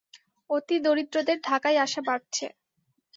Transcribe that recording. অতিদরিদ্রদের ঢাকায় আসা বাড়ছে।